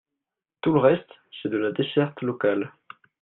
Tout le reste, c’est de la desserte locale.